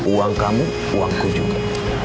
uang kamu uangku juga